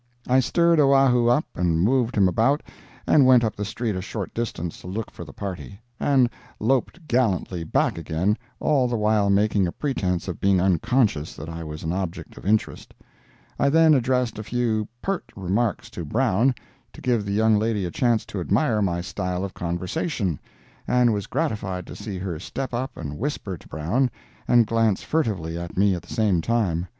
I stirred Oahu up and moved him about, and went up the street a short distance to look for the party, and "loped" gallantly back again, all the while making a pretense of being unconscious that I was an object of interest. I then addressed a few "peart" remarks to Brown, to give the young lady a chance to admire my style of conversation, and was gratified to see her step up and whisper to Brown and glance furtively at me at the same time.